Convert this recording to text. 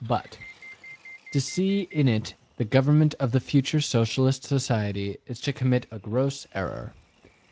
But, to see in it the government of the future Socialist society, is to commit a gross error.